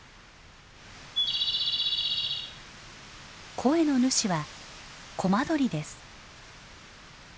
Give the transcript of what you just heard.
声の主はコマドリです。